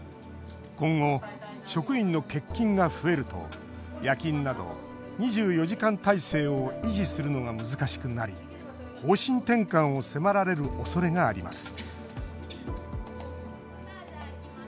今後、職員の欠勤が増えると夜勤など２４時間態勢を維持するのが難しくなり方針転換を迫られるおそれがあります